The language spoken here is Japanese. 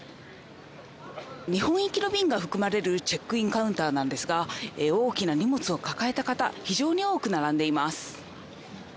日本行きの便が含まれるチェックインカウンターなんですが、大きな荷物を抱えた方、非常に多く並んでいます。